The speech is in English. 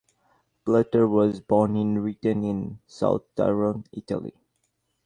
Platter was born in Ritten in South Tyrol, Italy.